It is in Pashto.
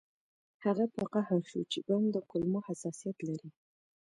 هغه په قهر شو چې بم د کلمو حساسیت لري